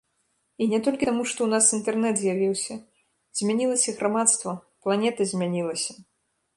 І не толькі таму, што ў нас інтэрнэт з'явіўся, змянілася грамадства, планета змянілася.